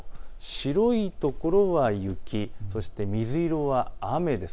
白い所は雪、そして水色は雨です。